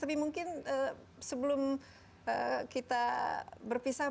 tapi mungkin sebelum kita berpisah